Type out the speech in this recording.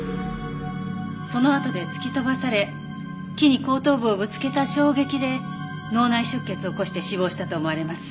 そのあとで突き飛ばされ木に後頭部をぶつけた衝撃で脳内出血を起こして死亡したと思われます。